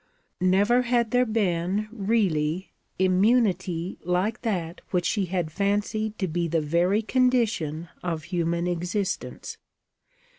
Never had there been, really, immunity like that which she had fancied to be the very condition of human existence.